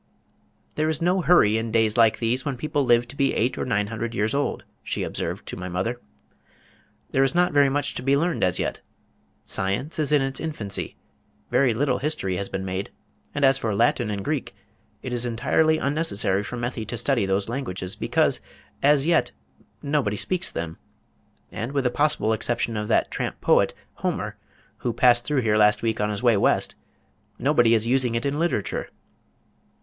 "There is no hurry in days like these when people live to be eight or nine hundred years old," she observed to my mother. "There is not very much to be learned as yet. Science is in its infancy, very little history has been made, and as for Latin and Greek, it is entirely unnecessary for Methy to study those languages, because as yet, nobody speaks them, and with the possible exception of that tramp poet, Homer, who passed through here last week on his way West, nobody is using it in literature.